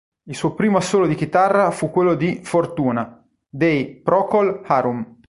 Il suo primo assolo di chitarra fu quello di "Fortuna" dei Procol Harum.